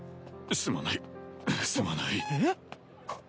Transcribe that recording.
すまないすまないえっ？